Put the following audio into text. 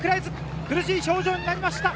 苦しい表情になりました。